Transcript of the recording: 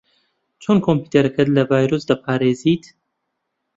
چۆن کۆمپیوتەرەکەت لە ڤایرۆس دەپارێزیت؟